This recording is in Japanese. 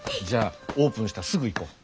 じゃあオープンしたらすぐ行こ。